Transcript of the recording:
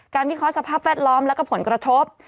วิเคราะห์สภาพแวดล้อมและผลกระทบ